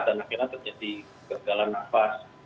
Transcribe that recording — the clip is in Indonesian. dan akhirnya terjadi gagalan nafas